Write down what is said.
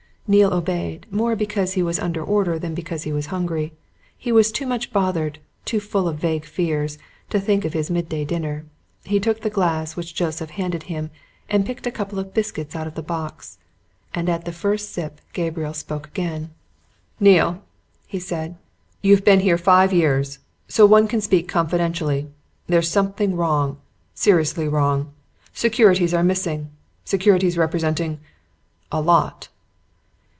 Neale obeyed more because he was under order than because he was hungry. He was too much bothered, too full of vague fears, to think of his midday dinner. He took the glass which Joseph handed to him, and picked a couple of biscuits out of the box. And at the first sip Gabriel spoke again. "Neale!" he said. "You've been here five years, so one can speak confidentially. There's something wrong seriously wrong. Securities are missing. Securities representing a lot!"